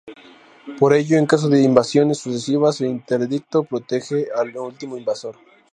Por ello, en caso de invasiones sucesivas, el interdicto protege al último invasor.